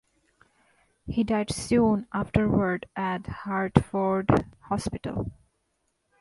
He died soon afterward at Hartford Hospital.